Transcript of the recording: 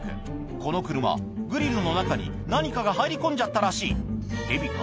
この車グリルの中に何かが入り込んじゃったらしいヘビか？